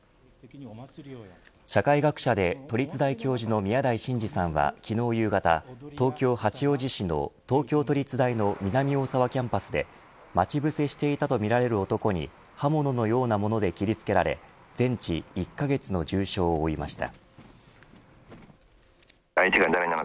社会学者で都立大教授の宮台真司さんは昨日夕方、東京、八王子市の東京都立大の南大沢キャンパスで待ち伏せしていたとみられる男に刃物のようなもので切り付けられ全治１カ月の重傷を負いました。